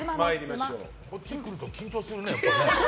こっちに来ると緊張するね。